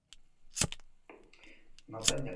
Nor den jakin nahi duzu?